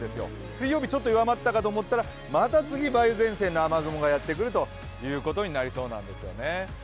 水曜日弱まったかと思ったら梅雨前線の雨雲がやってくることになりそうなんです。